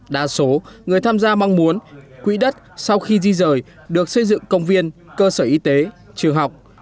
đa số người tham gia mong muốn quỹ đất sau khi di rời được xây dựng công viên cơ sở y tế trường học